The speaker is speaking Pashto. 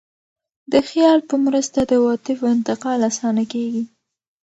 د خیال په مرسته د عواطفو انتقال اسانه کېږي.